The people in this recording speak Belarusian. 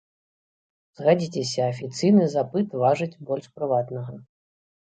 Згадзіцеся, афіцыйны запыт важыць больш прыватнага.